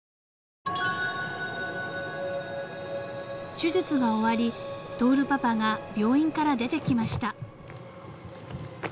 ［手術が終わり亨パパが病院から出てきました］